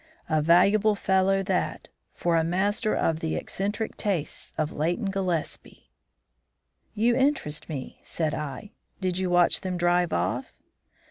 A valuable fellow that, for a master of the eccentric tastes of Leighton Gillespie!" "You interest me," said I. "Did you watch them drive off?"